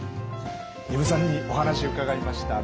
丹生さんにお話伺いました。